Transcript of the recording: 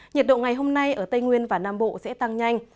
nhiệt độ ngày hôm nay ở tây nguyên và nam bộ sẽ tăng nhanh